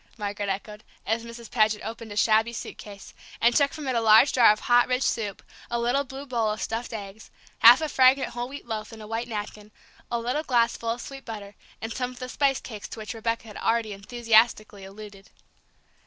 Margaret echoed, as Mrs. Paget opened a shabby suitcase, and took from it a large jar of hot rich soup, a little blue bowl of stuffed eggs, half a fragrant whole wheat loaf in a white napkin, a little glass full of sweet butter, and some of the spice cakes to which Rebecca had already enthusiastically alluded.